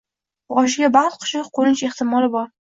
Boshiga “baxt qushi” qo’nish ehtimoli bor